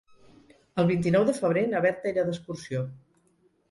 El vint-i-nou de febrer na Berta irà d'excursió.